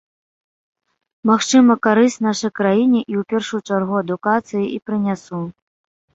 Магчыма, карысць нашай краіне, і ў першую чаргу адукацыі і прынясу.